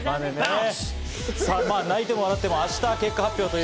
泣いても笑っも明日結果発表。